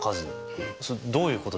えっどういうこと？